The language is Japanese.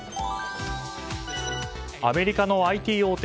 アメリカのＩＴ大手